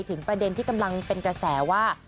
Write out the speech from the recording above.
ประเด็นที่กำลังเป็นกระแสว่า